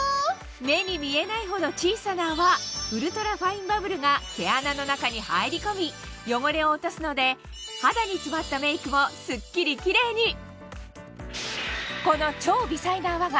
目に見えないほど小さな泡ウルトラファインバブルが毛穴の中に入り込み汚れを落とすので肌に詰まったメイクもすっきりキレイにこの超微細な泡が